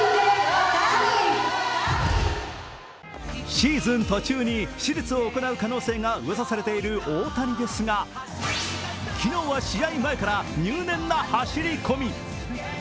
シーズン途中に手術を行う可能性がうわさされている大谷ですが昨日は試合前から入念な走り込み。